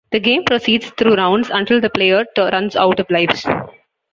The game proceeds through rounds until the player runs out of lives.